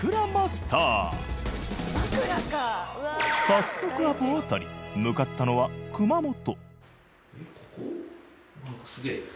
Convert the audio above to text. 早速アポを取り向かったのは熊本